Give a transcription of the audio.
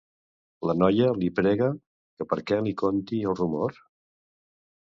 La noia li prega que perquè li conti el rumor?